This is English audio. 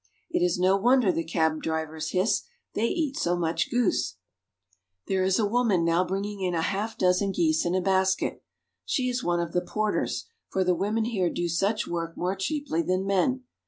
It is no wonder the cab drivers hiss, they eat so much goose ! There is a woman now bringing in a half dozen geese in a basket. She is one of the porters, for the women here do such work more cheaply than men.